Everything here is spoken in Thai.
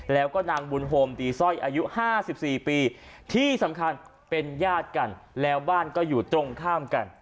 แล้วก็นางบุญโฮมตีสร้อยอายุ๕๔ปีที่สำคัญเป็นญาติกันแล้วบ้านก็อยู่ตรงข้ามกัน